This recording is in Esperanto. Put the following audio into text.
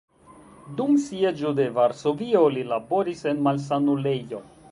Dum sieĝo de Varsovio li laboris en malsanulejo.